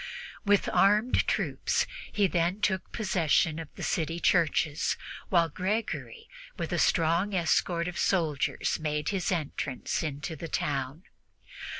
With armed troops he then took possession of the city churches, while Gregory, with a strong escort of soldiers, made his entrance into the town.